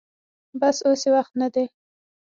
بس اوس يې وخت نه دې.